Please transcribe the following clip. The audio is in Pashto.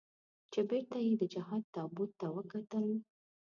چې بېرته یې د جهاد تابوت ته وکتل.